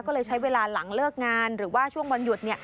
ก็เลยใช้เวลาหลังเลิกงานหรือว่าช่วงวันหยุด